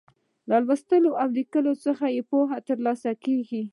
له لوستلو او ليکلو څخه يې پوهه تر لاسه کیږي.